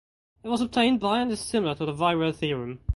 It was obtained by and is similar to the virial theorem.